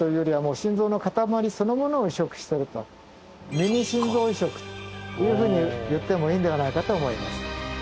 ミニ心臓移植というふうに言ってもいいんではないかと思います